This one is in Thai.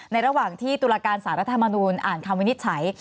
ระหว่างที่ตุลาการสารรัฐธรรมนูญอ่านคำวินิจฉัย